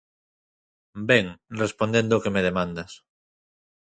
Ben, respondendo ao que me demandas.